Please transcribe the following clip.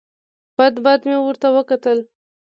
بد بد مې ورته وکتل.